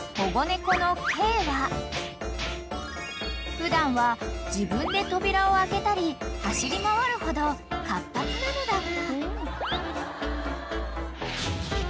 ［普段は自分で扉を開けたり走り回るほど活発なのだが］